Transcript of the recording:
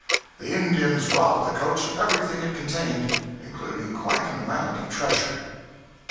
The Indians robbed the coach of everything it contained, including quite an amount of treasure.